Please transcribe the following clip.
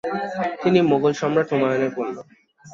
তিনি মোগল সম্রাট হুমায়ুনের কন্যা।